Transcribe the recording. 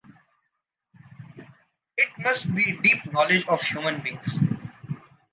It must be a deep knowledge of human beings.